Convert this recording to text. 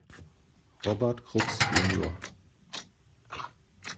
Robert Krups jun.